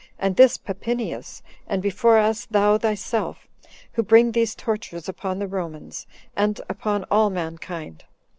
and this Papinius, and before us thou thyself, who bring these tortures upon the Romans, and upon all mankind.